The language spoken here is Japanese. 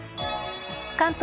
関東